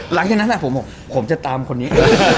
หลังจากนั้นผมบอกผมจะตามคนนี้